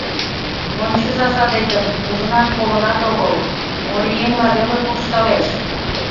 — Ончыза садетым, ужынат-колынат огыл: оръеҥла веле куржталеш.